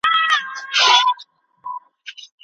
تاسي په خپل کمپیوټر کي د ژبو د زده کړې کوم لغتونه ولیکل؟